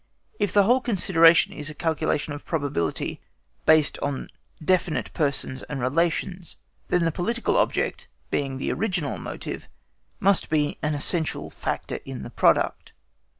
If the whole consideration is a calculation of probability based on definite persons and relations, then the political object, being the original motive, must be an essential factor in the product.